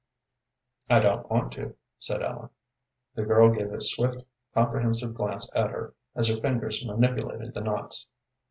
"I don't want to," said Ellen. The girl gave a swift, comprehensive glance at her as her fingers manipulated the knots.